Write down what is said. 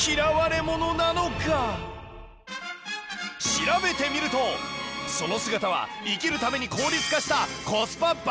調べてみるとその姿は生きるために効率化した